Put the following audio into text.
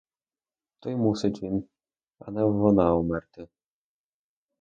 То й мусить він, а не вона умерти.